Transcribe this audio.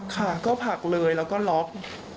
ค่ะก็ผลักเลยแล้วก็ล็อก